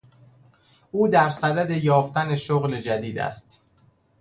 او درصدد یافتن شغل جدید است.